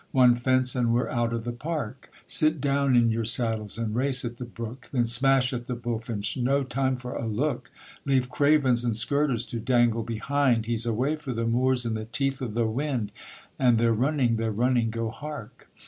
One fence and we're out of the park; Sit down in your saddles and race at the brook, Then smash at the bullfinch; no time for a look; Leave cravens and skirters to dangle behind; He's away for the moors in the teeth of the wind, And they're running they're running, Go hark!